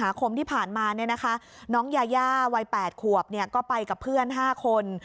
แล้วถ้าผ่านมาน้องยายาวัย๘ขวบไปกับเพื่อน๕คน